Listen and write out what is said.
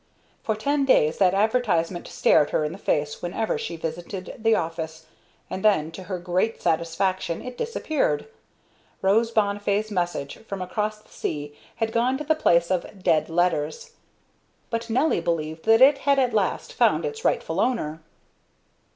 For ten days that advertisement stared her in the face whenever she visited the office, and then, to her great satisfaction, it disappeared. Rose Bonnifay's message from across the sea had gone to the place of "dead" letters, but Nelly believed that it had at last found its rightful owner.